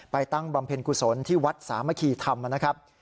ไปตั้งบำเพ็ญกุศลที่วัดสามะคีทำนะครับ